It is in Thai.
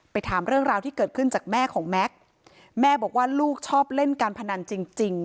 ถามเรื่องราวที่เกิดขึ้นจากแม่ของแม็กซ์แม่บอกว่าลูกชอบเล่นการพนันจริงจริง